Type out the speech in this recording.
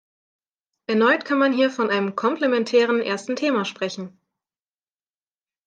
Erneut kann man hier von einem "komplementären ersten Thema" sprechen.